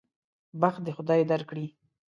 بخت دې خدای درکړي.